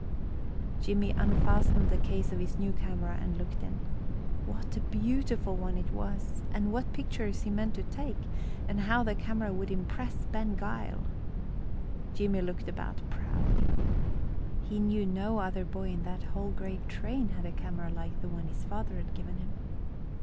Jimmie unfastened the case of his new camera and looked in. What a beautiful one it was, and what pictures he meant to take, and how the camera would impress Ben Gile! Jimmie looked about proudly. He knew no other boy in that whole great train had a camera like the one his father had given him.